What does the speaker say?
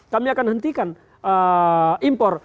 kami akan hentikan impor